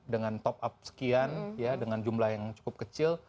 dengan top up sekian ya dengan jumlah yang cukup kecil